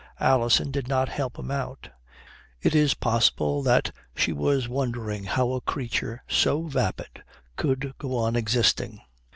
Alison did not help him out. It is possible that she was wondering how a creature so vapid could go on existing.